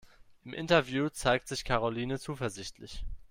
Im Interview zeigt sich Karoline zuversichtlich.